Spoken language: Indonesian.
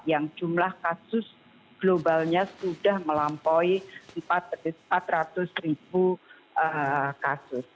yang jumlah kasus globalnya sudah melampaui empat ratus ribu kasus